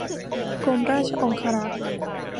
กรมราชองครักษ์